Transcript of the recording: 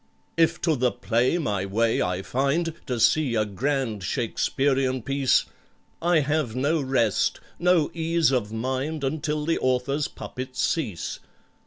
"If to the play my way I find, To see a grand Shakesperian piece, I have no rest, no ease of mind Until the author's puppets cease.